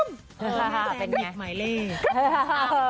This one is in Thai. กรี๊ดไม่เล่น